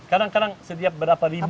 kadang kadang setiap berapa ribu